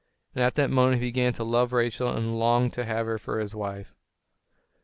And at that moment he began to love Rachel, and longed to have her for his wife.